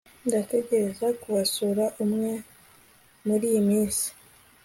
ndatekereza kubasura umwe muriyi minsi